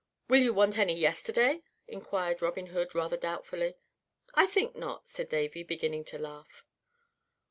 "Will you want any yesterday?" inquired Robin Hood, rather doubtfully. "I think not," said Davy, beginning to laugh.